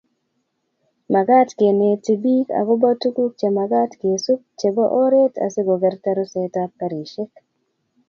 magaat keneti biik agoba tuguk chemagat kesuup chebo oret asigogerta rusetab karishek